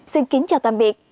xin kính chào tạm biệt